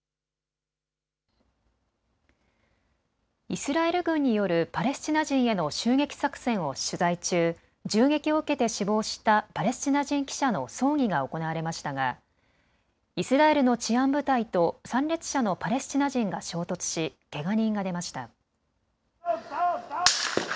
イスラエル軍によるパレスチナ人への襲撃作戦を取材中、銃撃を受けて死亡したパレスチナ人記者の葬儀が行われましたがイスラエルの治安部隊と参列者のパレスチナ人が衝突しけが人が出ました。